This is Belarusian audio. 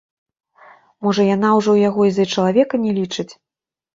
Можа, яна ўжо яго і за чалавека не лічыць?